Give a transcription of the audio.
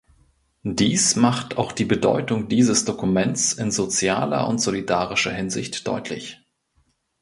Dies macht auch die Bedeutung dieses Dokuments in sozialer und solidarischer Hinsicht deutlich.